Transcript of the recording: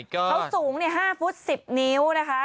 เขาสูง๕ฟุต๑๐นิ้วนะคะ